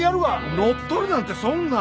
乗っ取るなんてそんな。